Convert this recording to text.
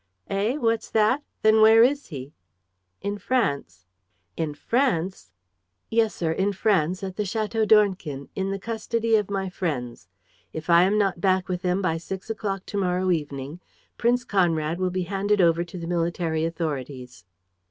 "Eh? What's that? Then where is he?" "In France." "In France!" "Yes, sir, in France, at the Château d'Ornequin, in the custody of my friends. If I am not back with them by six o'clock to morrow evening, Prince Conrad will be handed over to the military authorities."